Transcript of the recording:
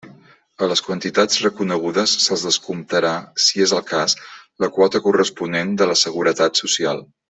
A les quantitats reconegudes se'ls descomptarà, si és el cas, la quota corresponent de la Seguretat Social.